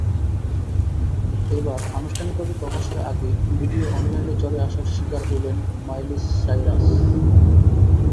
এবার আনুষ্ঠানিকভাবে প্রকাশের আগেই ভিডিও অনলাইনে চলে আসার শিকার হলেন মাইলি সাইরাস।